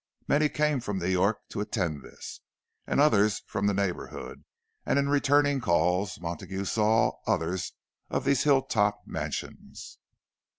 Many came from New York to attend this, and others from the neighbourhood; and in returning calls, Montague saw others of these hill top mansions.